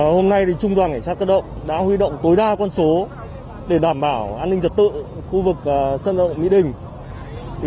hôm nay trung đoàn cảnh sát cơ động đã huy động tối đa con số để đảm bảo an ninh trật tự khu vực sân vận động mỹ đình